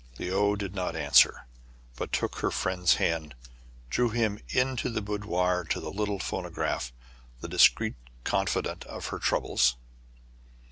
Le ou did not answer, but took her friend's hand, and drew him into the boudoir to the little phonograph, the discreet confidant of her troubles.